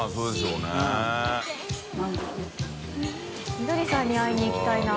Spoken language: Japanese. みどりさんに会いに行きたいな。